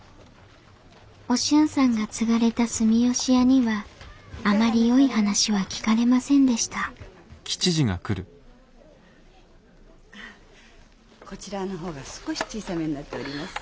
お俊さんが継がれた住吉屋にはあまりよい話は聞かれませんでしたこちらのほうが少し小さめになっております。